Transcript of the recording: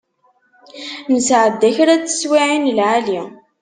Nesεedda kra n teswiεin n lεali.